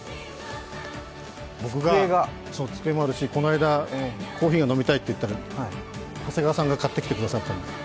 僕が机があるし、こないだコーヒーが飲みたいって言ったら長谷川さんが買ってきてくださったんです。